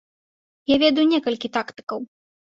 Я ведаю некалькі тактыкаў.